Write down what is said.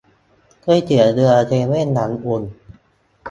ก๋วยเตี๋ยวเรือเซเว่นหลังอุ่น